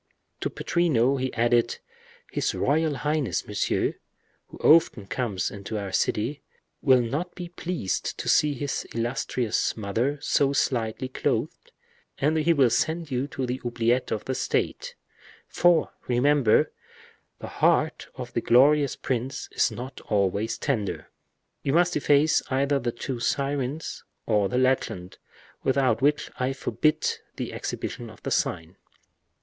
To Pittrino he added, "His royal highness, Monsieur, who often comes into our city, will not be much pleased to see his illustrious mother so slightly clothed, and he will send you to the oubliettes of the state; for, remember, the heart of that glorious prince is not always tender. You must efface either the two sirens or the legend, without which I forbid the exhibition of the sign.